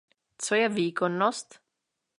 Co je výkonnosť?